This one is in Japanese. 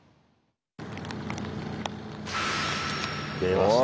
出ました。